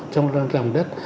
trong dòng đất